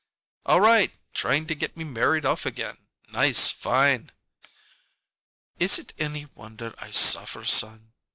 "All right! Trying to get me married off again. Nice! Fine!" "Is it any wonder I suffer, son?